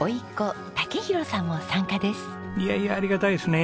いやいやありがたいですね。